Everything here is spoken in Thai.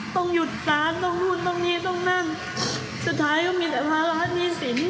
ต้องหยุดการต้องนู่นต้องนี่ต้องนั่นสุดท้ายก็มีแต่ภาระหนี้สิน